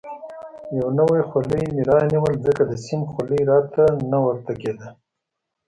یو نوی خولۍ مې رانیول، ځکه د سیم خولۍ راته نه ورته کېده.